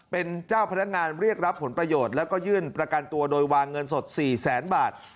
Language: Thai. เป็นเจ้าพนักงานเรียกรับผลประโยชน์แล้วก็ยื่นประกันตัวโดยวางเงินสด๔แสนบาท